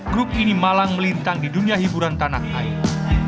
grup ini malang melintang di dunia hiburan tanah air